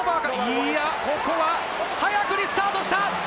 いや、ここは早くリスタートした！